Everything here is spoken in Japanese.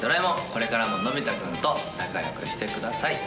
これからものび太くんと仲良くしてください。